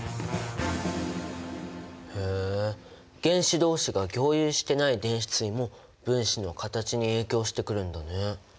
へえ原子同士が共有してない電子対も分子の形に影響してくるんだね。